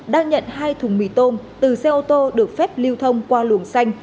đang nhận hai thùng mì tôm từ xe ô tô được phép lưu thông qua luồng xanh